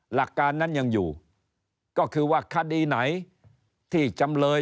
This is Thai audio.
หลักการนั้นยังอยู่ก็คือว่าคดีไหนที่จำเลย